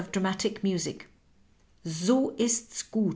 dramatic music. So isCs gut.